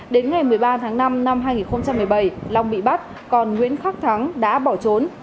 đến ngày một mươi ba tháng năm năm hai nghìn một mươi bảy long bị bắt còn nguyễn khắc thắng đã bỏ trốn